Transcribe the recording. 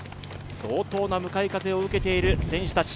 相当な向かい風を受けている選手たち。